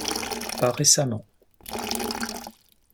Pas récemment.